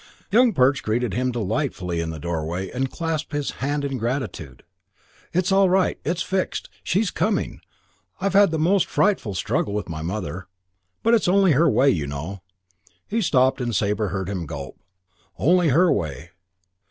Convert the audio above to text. Young Perch greeted him delightedly in the doorway and clasped his hand in gratitude. "It's all right. It's fixed. She's coming. I've had the most frightful struggle with my mother. But it's only her way, you know." He stopped and Sabre heard him gulp. "Only her way.